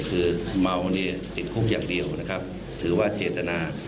คือเมาติดคุกอย่างเดียวถือว่าเจตนา